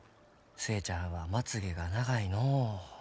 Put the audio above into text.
寿恵ちゃんはまつげが長いのう。